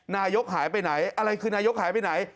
นายกหายไปไหนอะไรคือนายกหายไปไหน